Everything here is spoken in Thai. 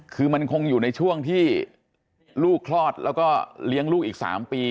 คือมันคงอยู่ในช่วงที่ลูกคลอดแล้วก็เลี้ยงลูกอีก๓ปี